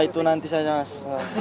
itu nanti saja mas